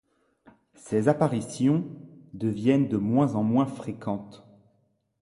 Ses apparitions deviennent de moins en moins fréquentes.